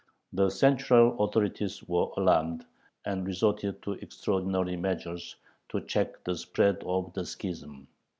The central authorities were alarmed, and resorted to extraordinary measures to check the spread of the schism.